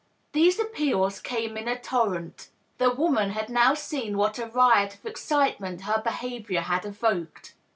These appeals came in a torrent The woman had now seen what a riot of excitement her behavior had evoked.